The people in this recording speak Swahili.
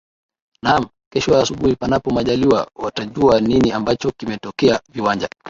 naam kesho asubuhi panapo majaliwa watajua nini ambacho kimetokea viwanja